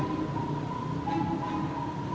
aku mau ketemu ibu